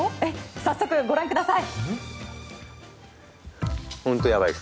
早速、ご覧ください。